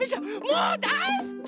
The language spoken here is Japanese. もうだいすき！